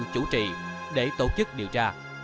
chủ trì để tổ chức điều tra